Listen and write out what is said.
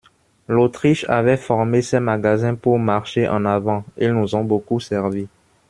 L'Autriche avait formé ces magasins pour marcher en avant ; ils nous ont beaucoup servi.